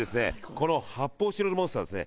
この発泡スチロールモンスターがですね